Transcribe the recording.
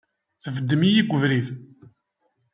Tbeddemt-iyi deg ubrid!